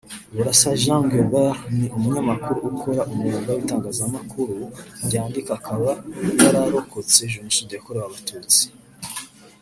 Burasa Jean Gualbert ni umunyamakuru ukora umwuga w’itangazamakuru ryandika akaba yararokotse Jenoside yakorewe Abatutsi